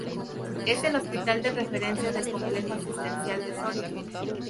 Es el hospital de referencia del Complejo Asistencial de Soria.